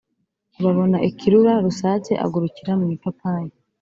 babona ikirura, rusake agurukira mu ipapayi.